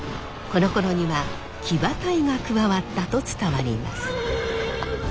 このころには騎馬隊が加わったと伝わります。